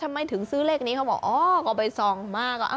ทำไมถึงซื้อเลขนี้เขาบอกอ๋อก็ไปส่องมา